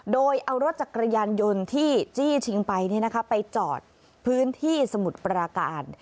โดยเอารถจักรยานยนต์ที่จี้ชิงไปไปจอดพื้นที่สมุทรปราการ